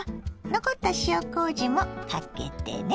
残った塩こうじもかけてね。